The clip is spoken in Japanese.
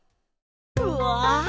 うわ！